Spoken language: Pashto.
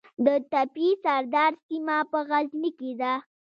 د تپې سردار سیمه په غزني کې ده